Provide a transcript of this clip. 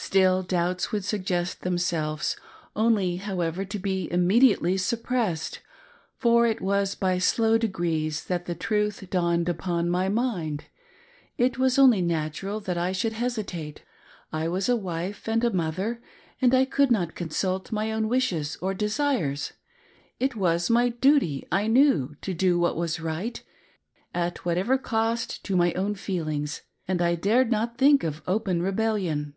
Still, doubts would suggest themselves ; only, however, to be imme diately suppressed, for it was by slow degrees that the truth dawned upon my mind. It wa^ only natural that I should hesitate. I was a wife and a mother, and I could not consult my own wishes or desires. It was my duty, I knew, to do what was right, at whatever cost to my own feelings, and I dared not think of open rebellion.